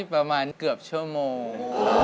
ประมาณเกือบชั่วโมง